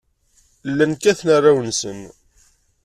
Llan kkaten arraw-nsen.